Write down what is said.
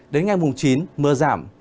đến ngày chín mưa giảm